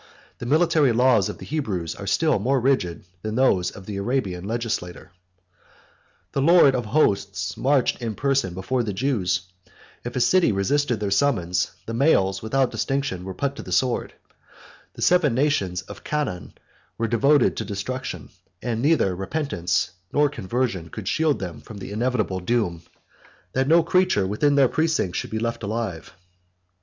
The military laws of the Hebrews are still more rigid than those of the Arabian legislator. 124 The Lord of hosts marched in person before the Jews: if a city resisted their summons, the males, without distinction, were put to the sword: the seven nations of Canaan were devoted to destruction; and neither repentance nor conversion, could shield them from the inevitable doom, that no creature within their precincts should be left alive.